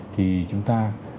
thì chúng ta